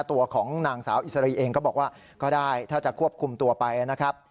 ตัวของนางสาวอิสรีเองก็บอกว่าก็ได้ถ้าจะควบคุมตัวไปนะครับ